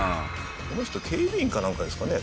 この人警備員かなんかですかね？